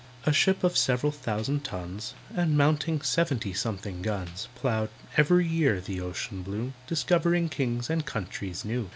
A ship of several thousand tons, And mounting seventy something guns, Ploughed, every year, the ocean blue, Discovering kings and countries new.